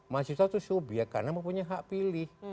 mahasiswa itu subyek karena mempunyai hak pilih